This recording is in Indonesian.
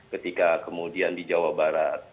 ketika kemudian di jawa barat